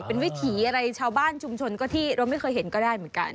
เป็นวิถีอะไรชาวบ้านชุมชนก็ที่เราไม่เคยเห็นก็ได้เหมือนกัน